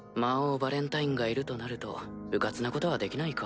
ヴァレンタインがいるとなると迂闊なことはできないか。